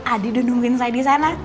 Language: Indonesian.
adi udah nungguin saya di sana